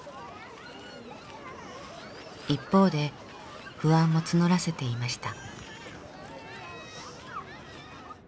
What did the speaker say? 一方で不安も募らせていました。